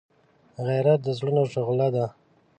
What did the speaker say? غیرت د زړونو شعله ده